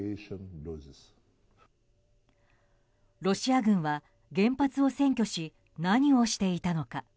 ロシア軍は原発を占拠し何をしていたのか。